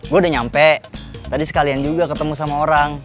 gue udah nyampe tadi sekalian juga ketemu sama orang